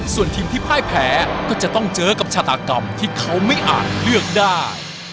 ส่วนทีมที่พ่ายแพ้ก็จะต้องเจอกับชาตากรรมที่เขาไม่อาจเลือกได้